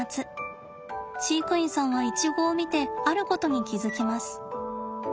飼育員さんはイチゴを見てあることに気付きます。